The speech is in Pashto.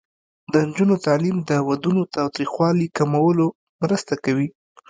د نجونو تعلیم د ودونو تاوتریخوالي کمولو مرسته کوي.